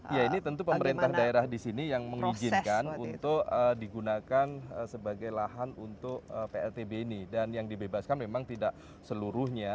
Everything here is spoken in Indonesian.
ya ini tentu pemerintah daerah di sini yang mengizinkan untuk digunakan sebagai lahan untuk pltb ini dan yang dibebaskan memang tidak seluruhnya